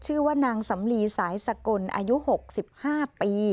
ชื่อว่านางสำลีสายสกลอายุ๖๕ปี